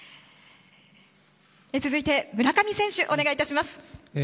続いて、村上選手お願いいたします。